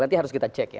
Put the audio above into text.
nanti harus kita cek ya